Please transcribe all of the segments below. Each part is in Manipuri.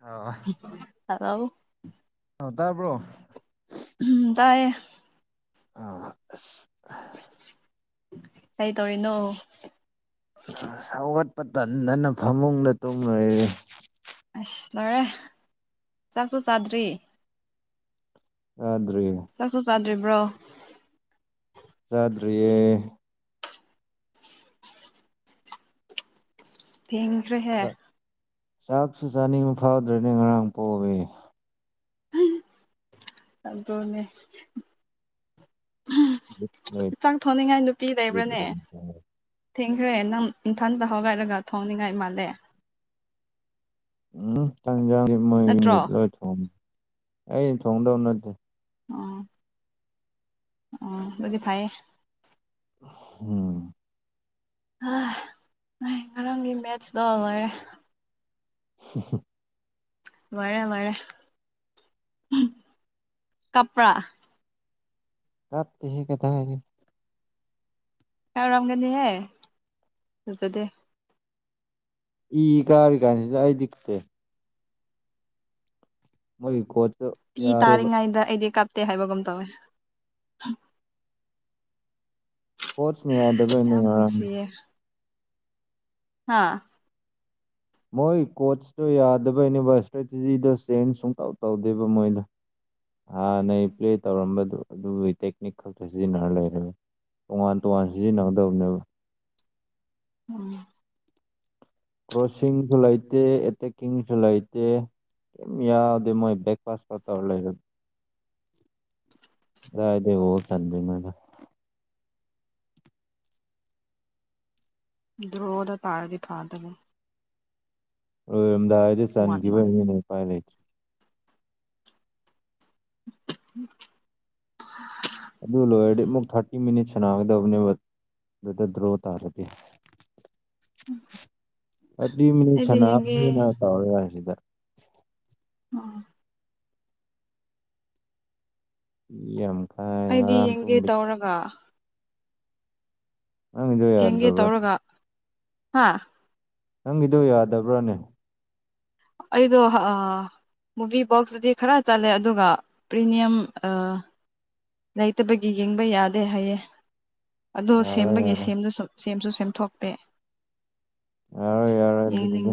ꯑ ꯕ ꯇꯕ꯭ꯔꯣ ꯎꯝ ꯇꯥꯏꯌꯦ ꯑ ꯑ ꯀꯩ ꯇꯧꯔꯤꯅꯣ ꯁꯧꯒꯠꯄ ꯇꯟꯗꯅ ꯐꯃꯨꯡꯗ ꯇꯨꯝꯂꯣꯏꯔꯦ ꯑꯁ ꯂꯣꯏꯔꯦ ꯆꯥꯛꯁꯨ ꯆꯥꯗ꯭ꯔꯤ ꯑ ꯆꯥꯛꯁꯨ ꯆꯥꯗ꯭ꯔꯤꯕ꯭ꯔꯣ ꯆꯥꯗ꯭ꯔꯤꯌꯦ ꯊꯦꯡꯈ꯭ꯔꯦꯍꯦ ꯆꯥꯛꯁꯨ ꯆꯥꯅꯤꯡꯕ ꯐꯥꯎꯗ꯭ꯔꯅꯤ ꯉꯔꯥꯡ ꯄꯣꯛꯏꯦ ꯑꯗꯅꯦ ꯆꯥꯛ ꯊꯣꯡꯅꯤꯡꯉꯥꯏ ꯅꯨꯄꯤ ꯂꯩꯕ꯭ꯔꯅꯦ ꯊꯦꯡꯈ꯭ꯔꯦ ꯅꯪ ꯏꯝꯊꯥꯗ ꯍꯒꯥꯏꯔꯒ ꯊꯣꯡꯅꯤꯡꯉꯥꯏ ꯃꯥꯜꯂꯦ ꯎꯝ ꯆꯥꯡꯖꯥꯡ ꯅꯠꯇ꯭ꯔꯣ ꯃꯣꯏꯒꯤꯗꯤ ꯂꯣꯏ ꯊꯣꯡꯉ ꯑꯩ ꯊꯣꯡꯗꯧ ꯅꯠꯇꯦ ꯎ ꯎ ꯑꯗꯨꯗꯤ ꯐꯥꯏꯌꯦ ꯎꯝ ꯉꯔꯥꯡꯒꯤ ꯃꯦꯠꯆꯇꯣ ꯂꯣꯏꯔꯦ ꯍ ꯃꯔꯦ ꯃꯔꯦ ꯀꯄ꯭ꯔꯥ ꯀꯞ ꯊ ꯍ ꯀꯗ ꯍꯥꯏꯒ ꯔꯝꯒꯅꯤꯍꯦ ꯑꯗꯨꯖꯗꯦ ꯏꯒꯥꯔꯤꯒꯅꯤ ꯌꯥꯏ ꯇ ꯃꯣꯏ ꯀꯣꯆ ꯄꯤ ꯇꯥꯔꯤꯉꯩꯗ ꯑꯩꯗꯤ ꯀꯥꯞꯇꯦ ꯍꯥꯏꯕꯒꯨꯝ ꯇꯧꯋꯦ ꯁꯄꯣꯠꯁꯅꯦ ꯌꯥ ꯑꯗꯨꯕꯅꯦ ꯌꯥꯝ ꯍꯥꯥ ꯃꯣꯏ ꯀꯣꯔꯣꯆꯇꯣ ꯌꯥꯗꯕꯅꯕ ꯏꯁꯇ꯭ꯔꯦꯇꯦꯖꯤꯗꯣ ꯆꯦꯟꯖ ꯁꯨꯇꯥꯎ ꯇꯧꯗꯦꯕ ꯃꯣꯏꯗ ꯍꯥꯟ ꯅꯣꯏ ꯄ꯭ꯂꯦ ꯇꯧꯔꯝꯕꯗꯨ ꯑꯗꯨꯒꯤ ꯇꯦꯛꯅꯤꯛ ꯈꯛꯇ ꯁꯤꯖꯤꯟꯅꯔ ꯂꯩꯔꯦ ꯇꯣꯉꯥꯟ ꯇꯣꯉꯥꯟ ꯁꯤꯖꯤꯟꯅꯒꯗꯕꯅꯦꯕ ꯎꯝ ꯀ꯭ꯔꯣꯁꯤꯡꯁꯨ ꯂꯩꯇꯦ ꯑꯦꯇꯦꯛꯀꯤꯡꯁꯨ ꯂꯩꯇꯦ ꯌꯥꯗ ꯃꯣꯏ ꯭ꯔꯦꯛꯐꯥꯁ ꯇꯔ ꯂꯩꯔ [unintelligible] ꯑꯗꯤ ꯆ ꯃꯗ ꯗ꯭ꯔꯣꯗ ꯇꯥꯔꯥꯗꯤ ꯐꯥꯗꯕ ꯝꯗ ꯍꯥꯏꯗꯤ ꯋꯥꯟ ꯁꯥꯟꯒꯤꯕ ꯋꯥꯟ ꯄ ꯂꯩ [unintelligible] ꯑꯗꯨ ꯂꯣꯏꯔꯗꯤ ꯑꯃꯨꯛ ꯊꯥꯔꯇꯤ ꯃꯤꯅꯤꯠꯁꯅꯥꯒꯗꯕꯅꯦꯕ ꯑꯗꯨꯗ ꯗ꯭ꯔꯣ ꯇꯥꯔꯗꯤ ꯑꯗꯤ ꯃꯤꯅꯤ ꯑꯩꯗꯤ ꯌꯦꯡꯒꯦ ꯁꯅꯅꯥ ꯇ ꯌꯥ ꯁꯤꯗ ꯎ ꯌꯥꯝ ꯀꯥꯏ ꯑꯩꯗꯤ ꯉꯔꯥꯡ ꯌꯦꯡꯒꯦ ꯇꯨꯝꯕꯤ ꯇꯧꯔꯒ ꯅꯪꯒꯤꯗꯣ ꯍꯦ ꯌꯥꯗ꯭ꯔꯕ꯭ꯔꯥ ꯇꯧꯔꯒ ꯍꯥꯥ ꯅꯪꯒꯤꯗꯣ ꯌꯥꯗꯕ꯭ꯔꯥꯅꯦ ꯑꯩꯗꯣ ꯑ ꯃꯨꯚꯤ ꯕꯣꯛꯁꯇꯨꯗꯤ ꯈꯔ ꯆꯠꯂꯦ ꯑꯗꯨꯒ ꯄ꯭ꯔꯤꯃꯤꯌꯝ ꯂꯩꯇꯕꯒꯤ ꯌꯦꯡꯕ ꯌꯥꯗꯦ ꯍꯥꯏꯌꯦ ꯑꯗꯣ ꯌꯥꯔꯣꯏ ꯁꯦꯝꯕꯒꯤ ꯌꯥꯔꯣꯏ ꯁꯦꯝꯗꯨ ꯁꯨꯝ ꯁꯦꯝꯁꯨ ꯁꯦꯝꯊꯣꯛꯇꯦ ꯌꯥꯔꯣꯏ ꯌꯥꯔꯣꯏ ꯑꯗꯨꯗꯨꯗꯤ ꯌꯦꯡꯅꯤꯡ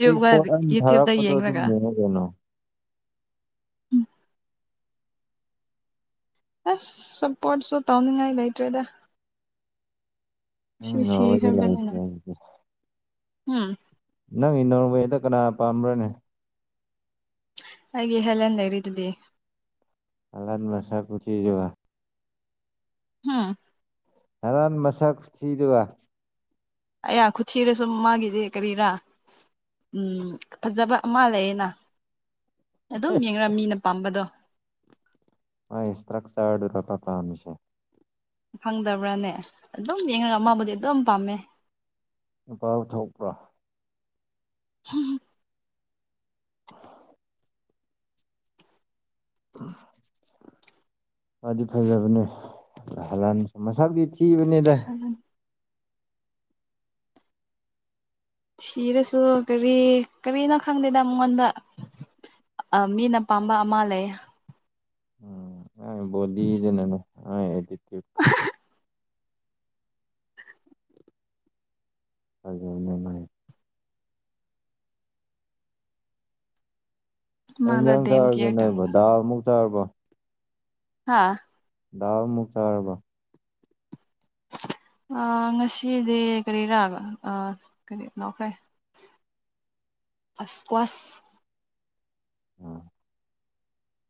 ꯄꯤꯛ ꯏꯁꯄꯣꯠ ꯑ ꯌꯨꯇ꯭ꯌꯨꯕꯇ ꯊꯥꯔꯛꯄꯗꯣ ꯌꯦꯡꯔꯒ ꯑꯗꯨꯝꯅꯦ ꯀꯅꯣ ꯑꯁ ꯁꯞꯄꯣꯔꯠꯁꯨ ꯇꯧꯅꯤꯡꯉꯥꯏ ꯂꯩꯇ꯭ꯔꯦꯗ ꯅꯪ ꯁꯤ ꯅꯣꯔꯋꯦꯗ ꯂꯩꯔꯤꯁꯦ ꯈꯔꯕꯅꯅ ꯍꯧꯖꯤꯛꯇꯤ꯫ ꯎꯝ ꯅꯪꯒꯤ ꯅꯣꯔꯋꯦꯗ ꯀꯅꯥ ꯄꯥꯝꯕ꯭ꯔꯅꯦ ꯑꯩꯒꯤ ꯍꯦꯂꯦꯟ ꯂꯩꯔꯤꯗꯨꯗꯤ ꯍꯂꯥꯟ ꯁꯥ ꯄꯨꯁꯤꯤꯖꯋꯥ ꯎꯝ ꯍꯔꯥꯟ ꯃꯁꯥ ꯊꯗ ꯋꯥ ꯑꯌꯥ ꯈꯨꯊꯤꯔꯦ ꯁꯨꯝ ꯃꯥꯒꯤꯗꯤꯦ ꯀꯔꯤꯔꯥ ꯎꯝ ꯐꯖꯕ ꯑꯃ ꯂꯩꯌꯦꯅ ꯑꯗꯨꯝ ꯌꯦꯡ ꯃꯤꯅ ꯄꯥꯝꯕꯗꯣ ꯇ꯭ꯔꯛ ꯆꯔꯄꯥ ꯀꯥꯝꯁꯦ ꯈꯪꯗꯕ꯭ꯔꯅꯦ ꯑꯗꯨꯝ ꯌꯦꯡꯉꯒ ꯃꯥꯕꯨꯗꯤ ꯑꯗꯨꯝ ꯄꯥꯝꯃꯦ ꯅꯨꯄꯥ ꯄꯨ ꯊꯣꯛꯄ꯭ꯔꯥ ꯍꯝ ꯑꯗꯤ ꯐꯂꯥ ꯁꯁꯥ ꯀꯕꯅꯦꯗ ꯊꯤꯔꯁꯨ ꯀꯔꯤ ꯀꯔꯤꯅꯣ ꯈꯪꯗꯦꯗ ꯃꯉꯣꯟꯗ ꯑ ꯃꯤꯅ ꯄꯥꯝꯕ ꯑꯃ ꯂꯩ ꯎꯝ ꯑ ꯣꯗꯤꯗꯦ ꯅꯅ ꯑ ꯍꯥꯏ ꯍꯥꯏꯖꯅꯦꯅꯦ ꯃꯥꯗꯣ ꯏꯟꯁꯥꯡ ꯗꯦꯝ ꯊꯥꯔꯒꯦ ꯀꯦꯌꯔ ꯅꯣꯏꯕ ꯇꯧꯔꯒ ꯗꯥꯜꯃꯨꯛ ꯆꯥꯔꯕ ꯍꯥꯥ ꯗꯥꯎ ꯑꯃꯨꯛ ꯆꯥꯔꯕ [unintelligible] ꯉꯁꯤꯗꯤ ꯀꯔꯤꯔꯥꯒ ꯀꯔꯤ ꯂꯧꯈ꯭ꯔꯦ ꯐꯥꯁꯀꯋꯥꯁ ꯎꯝ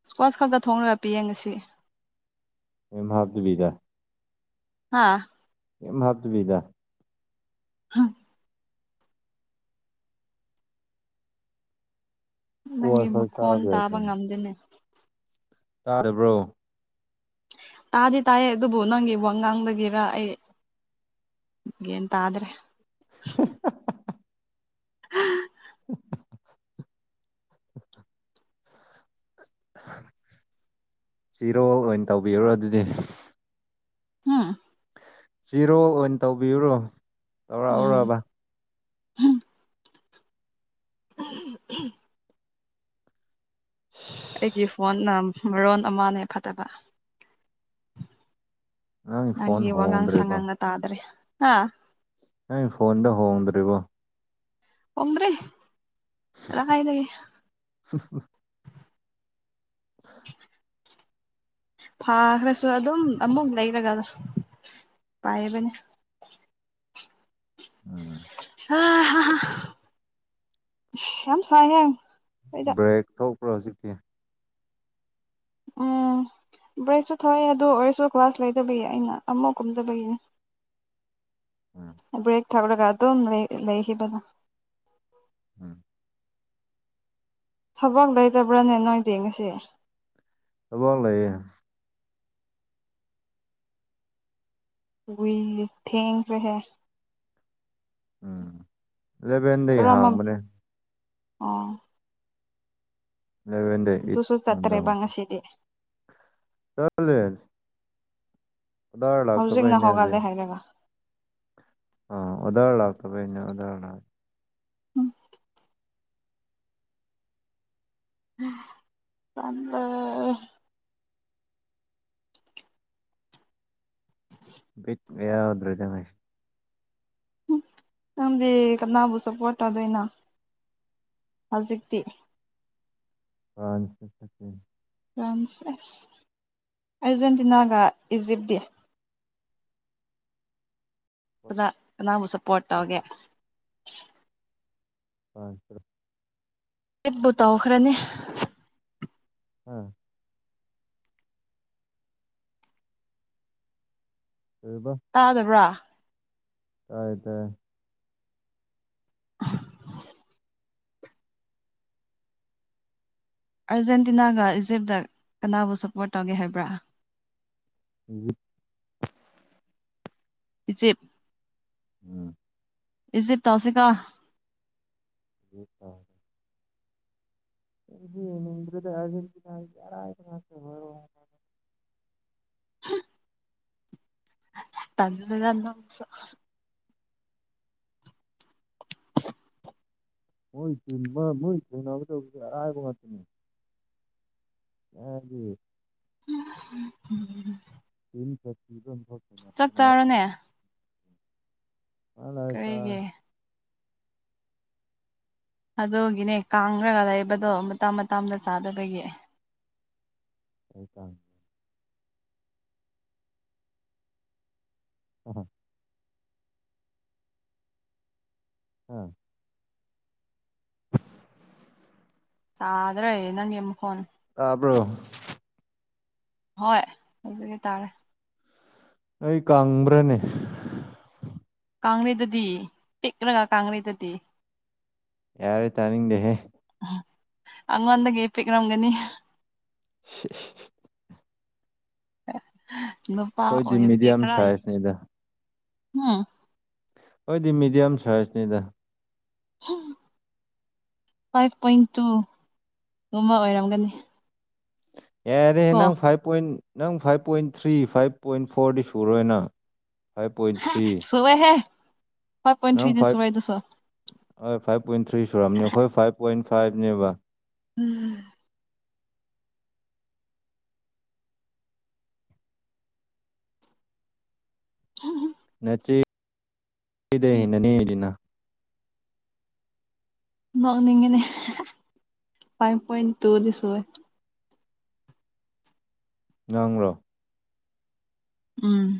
ꯏꯁꯀ꯭ꯋꯥꯆ ꯈꯛꯇ ꯊꯣꯡꯉꯒ ꯄꯤ ꯌꯦꯡꯉꯁꯤ ꯑꯦ ꯍꯥꯕꯗꯨꯕꯤꯗꯥ ꯍꯥꯥ ꯀ ꯍꯥꯞ ꯇꯕꯤꯗ ꯍꯥ ꯀꯣꯁ ꯅꯪꯒꯤ ꯈꯛ ꯃꯈꯣꯟ ꯇꯥꯕ ꯉꯝꯗꯦꯅꯦ ꯇꯥꯗꯕ꯭ꯔꯣ ꯇꯥꯗꯤ ꯇꯥꯏꯌꯦ ꯑꯗꯨꯕꯨ ꯅꯪꯒꯤ ꯋꯥ ꯉꯥꯡꯗꯒꯤꯔ ꯑꯩ ꯦ ꯇꯗ꯭ꯔꯦ [unintelligible] ꯆꯤꯔꯣꯜ ꯑꯣꯏꯅ ꯇꯧꯕꯤꯣ ꯑꯗꯨꯗꯤ ꯍꯥꯝ ꯆꯤꯔꯣ ꯑꯣꯏꯅ ꯇꯧꯕꯤꯨꯔꯣ ꯇꯧꯔꯛꯎꯔꯕ ꯎꯝ ꯑꯩꯒꯤ ꯐꯣꯟꯅ ꯃꯔꯣꯟ ꯑꯃꯅꯦ ꯐꯠꯇꯕ ꯅꯪꯒꯤ ꯐꯣꯟ ꯅꯪꯤ ꯋꯥ ꯉꯥꯡ ꯍꯣꯡꯗ꯭ꯔꯤꯕꯣ ꯁꯉꯥꯡ ꯇꯗ꯭ꯔꯦ ꯍꯥ ꯅꯪ ꯐꯣꯟꯗ ꯍꯣꯡꯗ꯭ꯔꯤꯕꯣ ꯑꯣꯡꯔꯤ ꯌꯥ ꯀꯥꯏꯗꯒꯦ ꯍ ꯍ [unintelligible] ꯐꯥꯈ꯭ꯔꯁꯨ ꯑꯗꯨꯝ ꯑꯃꯨꯛ ꯂꯩꯔꯒ ꯄꯌꯦꯕꯅꯦ ꯎꯝ ꯑ ꯁꯝꯁꯌꯦ ꯕ꯭ꯔꯦꯛ ꯊꯣꯛꯄ꯭ꯔꯣ ꯍꯧꯖꯤꯛꯇꯤ ꯎꯝ ꯭ꯔꯩꯁꯨ ꯊꯣꯛꯑꯦ ꯑꯗꯨ ꯑꯣꯏꯔꯁꯨ ꯀ꯭ꯂꯥꯁ ꯂꯩꯗꯕꯒꯤ ꯑꯩꯅ ꯑꯃꯐꯛ ꯀꯨꯝꯗꯕꯒꯤꯅꯦ ꯎꯝ ꯕꯨ꯭ꯔꯦꯛ ꯊꯥꯀꯔꯒꯗ ꯂꯩ ꯂꯩ ꯍꯗꯥ ꯎꯝ ꯊꯕꯛ ꯂꯩꯇꯕ꯭ꯔꯅꯦ ꯅꯣꯏꯗꯤꯡ ꯉꯁꯤ ꯑ ꯂꯩꯦ ꯋꯤ ꯊꯤꯡꯀ ꯔꯦ ꯎꯝ ꯏꯂꯦꯚꯦꯟꯗ ꯍꯥꯡꯕꯅꯦ ꯑ ꯑꯦꯂꯚꯦꯟꯗꯩ ꯑꯩꯠ ꯇꯨꯁꯨ ꯆꯠꯇꯦꯕꯪꯉꯁꯤꯗꯤ ꯆꯂꯦ ꯍꯧꯖꯤꯛꯅ ꯍꯧꯒ ꯂꯩꯦ ꯍꯥꯏꯔꯒ ꯑ ꯎꯗꯍꯔꯇ ꯄꯩꯅ ꯎꯗꯥꯔꯦ ꯎꯝ ꯀꯝꯕ ꯠ ꯌꯥꯎꯗ꯭ꯔꯣ ꯔꯃꯦꯁ ꯅꯝꯗꯤ ꯀꯅꯥꯕꯨ ꯁꯄꯣꯠꯗꯣꯏꯅ ꯍꯧꯖꯤꯛꯇꯤ ꯄꯁ ꯐꯄꯤ ꯐ꯭ꯔꯥꯟꯁꯁ ꯑꯔꯖꯦꯟꯇꯤꯅꯥꯒ ꯏꯖꯤꯞꯗꯤ ꯅꯅꯥꯕꯨ ꯁꯄꯇꯣꯒꯦ ꯄꯥꯡ ꯇ ꯍꯞꯕꯨ ꯇꯧꯈ꯭ꯔꯅꯤ ꯑꯥ ꯀꯩꯕ ꯇꯥꯗꯕ꯭ꯔꯥ ꯇꯥꯏ ꯇ [unintelligible] ꯑꯥꯔꯖꯦꯟꯇꯤꯅꯥꯒ ꯏꯖꯤꯞꯇ ꯀꯅꯥꯕꯨ ꯁꯞꯄꯣꯔꯠ ꯇꯧꯒꯦ ꯍꯥꯏꯕ꯭ꯔꯥ ꯎꯝ ꯎꯆꯠ ꯎꯝ ꯏꯖꯤꯦ ꯇꯧꯁꯦ ꯀꯥ ꯎ ꯇ ꯅꯗ ꯍꯥꯏꯁꯤ ꯌꯥꯔ ꯃꯥꯦ ꯑꯣꯏ ꯇꯜꯅ ꯑ ꯃꯣꯏ ꯃꯣꯏꯕ ꯃꯥꯇ ꯑꯒꯤ [inaudible] ꯆ ꯆꯞ ꯆꯔꯣꯅꯦ ꯍꯅꯣꯏꯇ ꯑꯗꯨꯒꯤꯅꯦ ꯀꯥꯡꯈ꯭ꯔꯒ ꯂꯩꯕꯗꯣ ꯃꯇꯝ ꯃꯇꯝꯗ ꯆꯥꯗꯕꯒꯤ ꯍꯇ ꯍ ꯍꯣ ꯑꯝ [unintelligible] ꯆ꯭ꯔꯦ ꯅꯪ ꯌꯦꯝꯈꯣꯟ ꯑꯕ꯭ꯔꯣ ꯍꯣꯏ ꯍꯧꯖꯤꯛꯀꯤ ꯇꯔꯦ ꯑꯩ ꯀꯪꯕ꯭ꯔꯅꯦ ꯀꯥꯡꯂꯤꯗꯗꯤ ꯆꯤꯛ꯭ꯔꯒ ꯀꯥꯡꯩꯗꯗꯤ ꯌꯥꯔꯦ ꯇꯅꯤꯗꯦꯍꯦ ꯑꯉꯣꯟꯗꯒꯤ ꯄꯤꯛꯔꯝꯒꯅꯤ [unintelligible] ꯅꯨꯄꯥ ꯑꯣꯏꯕꯒꯤꯦ ꯃꯤꯗꯤꯌꯝ ꯈꯔ ꯁꯥꯏꯖꯅꯤꯗ ꯎꯝ ꯑꯩꯣꯏꯗꯤ ꯃꯤꯦꯗꯤꯌꯝ ꯁꯥꯏꯖꯅꯤꯗ ꯍꯝ ꯐꯥꯏꯚ ꯄꯣꯏꯟ ꯇꯨꯒꯨꯝꯕ ꯑꯣꯏꯔꯝꯒꯅꯤ ꯑꯦꯔ ꯀꯣ ꯐꯥꯏꯚ ꯄꯣꯏꯟ ꯅꯪ five point three five point ꯐꯣꯔꯗꯤ ꯁꯨꯔꯣꯏꯅ ꯁꯨꯋ ꯍꯦ ꯅꯪ ꯐꯥꯏꯚ ꯍꯣꯏ ꯐꯥꯏꯚ ꯄꯣꯏꯟ ꯊ꯭ꯔꯤ ꯁꯨꯔꯑꯅꯤ ꯑꯩꯈꯣꯏ ꯐꯥꯏꯚ ꯄꯣꯏꯟ ꯐꯥꯏꯚꯅꯦꯕ ꯎꯝ ꯎꯝ ꯍꯝ ꯅꯆꯤꯗꯦ ꯅꯅꯦ ꯏꯅ ꯅꯣꯛꯅꯤꯡꯉꯅꯦ ꯐꯥꯏꯚ ꯄꯣꯏꯟ ꯇꯨꯗꯤ ꯁꯨꯦ ꯉꯥꯡ꯭ꯔꯣ ꯎꯝ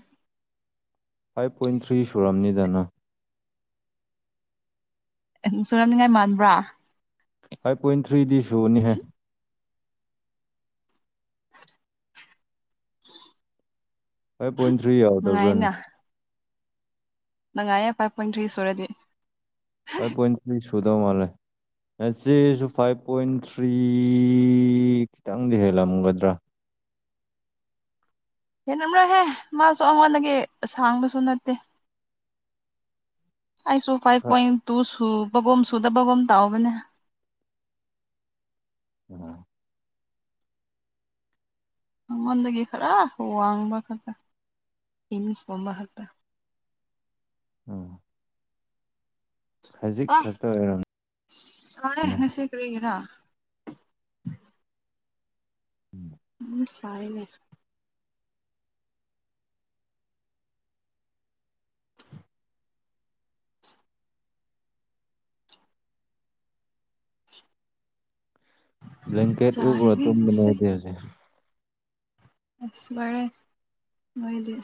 ꯐꯥꯏꯚ ꯄꯣꯏꯟ ꯊ꯭ꯔꯤ ꯁꯨꯨꯔꯝꯅꯤꯗꯅ ꯆꯨꯔꯝꯅꯤꯡꯉꯥꯏ ꯃꯥꯟꯕ꯭ꯔꯥ ꯐꯥꯏꯚ ꯄꯣꯏꯟ ꯊ꯭ꯔꯤꯗꯤ ꯁꯨꯅꯤꯍꯦ [unintelligible] ꯐꯥꯏꯚ ꯄꯣꯏꯟ ꯊ꯭ꯔꯤ ꯌꯥꯎꯗꯕ꯭ꯔꯥꯅꯦ ꯅꯪꯉꯥꯏꯌꯦ ꯐꯥꯏꯚ ꯄꯣꯏꯟ ꯊ꯭ꯔꯤ ꯁꯨꯔꯗꯤ ꯑꯩꯣꯏ ꯄꯣꯏꯇꯂꯤꯁ ꯁꯨꯗꯣ ꯃꯥꯅꯦꯦ ꯅꯆꯦꯁꯨ ꯐꯥꯏꯚ ꯄꯣꯏꯟ ꯊ꯭ꯔꯤ ꯈꯤꯇꯪꯗꯤ ꯍꯦꯜꯂꯝꯒꯗ꯭ꯔꯥ ꯍꯦꯟꯅꯕ꯭ꯔꯣꯍꯦ ꯃꯥꯁꯨ ꯑꯩꯉꯣꯟꯗꯒꯤꯁꯥꯡꯕꯁꯨ ꯅꯠꯇꯦ ꯑꯁꯨ ꯐꯥꯏꯚ ꯄꯣꯏꯟ ꯇꯨ ꯁꯨꯕꯒꯣꯝ ꯁꯨꯗꯕꯒꯣꯝ ꯇꯥꯛꯕꯅꯦ ꯎꯝ ꯃꯉꯣꯟꯗꯒꯤ ꯈꯔ ꯋꯥꯡꯕ ꯈꯛꯇ ꯏꯅꯤꯁꯀꯕ ꯈꯛꯇ ꯑꯝ ꯑ ꯑꯣꯏꯔꯝꯅꯦ ꯁꯥꯏꯦ ꯅꯁꯤꯦ ꯀꯔꯒꯔꯥ ꯎ ꯁꯥꯏꯅꯦ ꯕ꯭ꯂꯦꯟꯀꯦꯠ ꯎꯕ꯭ꯔꯣ ꯇꯨꯝ ꯆꯥꯏꯕꯤꯁꯦ ꯂꯩꯗꯁꯦ ꯑꯁ ꯔꯦ ꯂꯣꯏꯗꯤ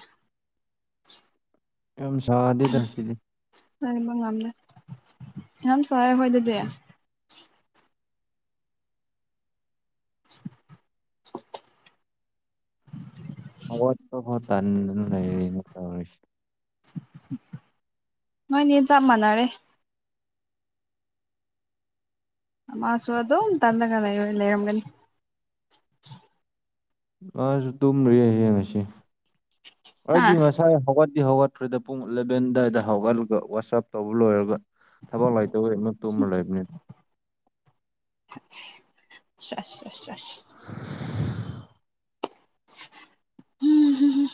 ꯌꯥꯝ ꯁꯥꯗꯦꯗꯁꯤꯗꯤ ꯂꯩꯕ ꯉꯝꯂꯦ ꯌꯥꯝ ꯁꯥꯏꯦ ꯑꯩꯈꯣꯏ ꯑꯗꯨꯗꯤ [unintelligible] ꯍ ꯐꯣ ꯊꯟ ꯂꯩꯔꯤ ꯇꯧꯔꯤꯁꯤ ꯅꯣꯏꯅꯦ ꯆꯞ ꯃꯥꯟꯅꯔꯦ ꯑꯃ ꯁꯗꯣ ꯇꯗ ꯀ ꯂꯩ ꯂꯩ ꯂꯩꯔꯒ ꯃꯥꯁꯨ ꯇꯨꯝ꯭ꯔꯦ ꯌꯦꯌꯦꯡꯉꯁꯤ ꯍꯥ ꯑꯩꯗꯤ ꯉꯁꯥꯏ ꯍꯧꯒꯠ ꯗꯤ ꯍꯧꯒꯠꯇ꯭ꯔꯔꯤꯗ ꯄꯨꯡ ꯏꯂꯚꯦꯟ ꯑꯗꯨꯋꯥꯏꯗ ꯍꯧꯒꯠꯂꯒ ꯋꯥꯆꯞ ꯇꯧꯕ ꯂꯣꯏꯔꯒ ꯊꯕꯛ ꯂꯥꯏꯇꯧꯅ ꯇꯣꯕ ꯂꯩꯕꯅꯦ [inaudible] [inaudible] ꯎꯝꯝ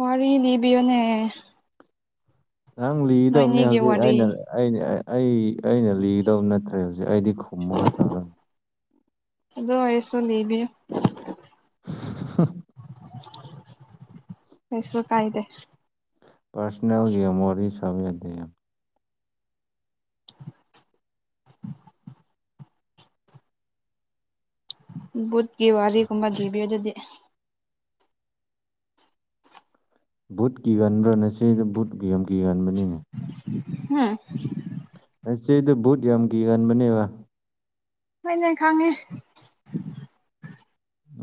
[inaudible] ꯋꯥꯔꯤ ꯂꯤꯕꯤꯌꯣꯅꯦ ꯅꯪ ꯂꯤꯒꯗꯕꯅꯦ ꯍꯧꯖꯤꯛ ꯋꯥꯔꯤ ꯑꯩꯅ ꯑ ꯑꯩ ꯑꯩꯅ ꯂꯤꯒꯗꯕ ꯅꯠꯇ꯭ꯔꯦ ꯍꯧꯖꯤꯛ ꯑꯩꯗꯤ ꯈꯨꯝꯃꯒ ꯇꯧꯂꯅꯤ ꯑꯗꯣ ꯑꯣꯏꯁꯨꯣ ꯂꯩꯕꯤ ꯑ ꯄꯩꯁ ꯀꯥꯏꯗꯦ ꯄꯔꯁꯣꯅꯦꯜꯒꯦꯃꯔꯔꯤ ꯁꯗ ꯕꯨꯠ ꯒꯤ ꯋꯥꯔꯤꯔꯤ ꯀꯨꯝꯕ ꯗꯤꯕꯤꯌ ꯑꯗꯨꯗꯤ ꯕꯨꯠ ꯀꯤꯒꯟꯕ꯭ꯔꯥꯅ ꯁꯤ ꯕꯨꯠ ꯌꯥꯝ ꯀꯤꯒꯟꯕꯅꯤ ꯎꯝ ꯍꯤꯁꯇꯗ ꯕꯨꯠ ꯌꯥꯝ ꯀꯤ ꯀꯥꯟꯕꯅꯦꯕ ꯍꯣꯏꯅ ꯈꯪꯉꯦ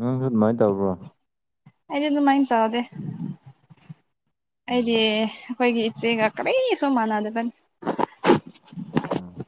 ꯎꯪꯁꯨ ꯑꯗꯨꯃꯥꯏꯅ ꯇꯧꯕ꯭ꯔꯣ ꯑꯩꯗꯤ ꯑꯗꯨꯃꯥꯏꯅ ꯇꯧꯔꯗꯦ ꯎꯝ ꯑꯩꯗꯤ ꯑꯩꯈꯣꯏꯒꯤ ꯏꯆꯦꯒ ꯀꯔꯤꯁꯨ ꯃꯥꯟꯅꯗꯕꯅꯤ ꯎꯝ